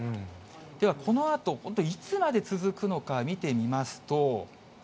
では、このあと、本当いつまで続くのか見てみますと。